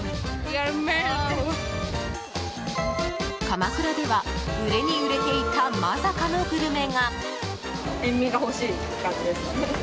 鎌倉では売れに売れていたまさかのグルメが。